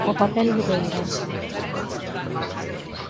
O papel de Beiras.